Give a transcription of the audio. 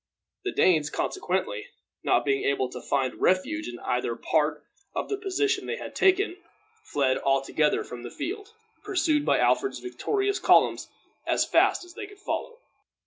The Danes, consequently, not being able to find refuge in either part of the position they had taken, fled altogether from the field, pursued by Alfred's victorious columns as fast as they could follow.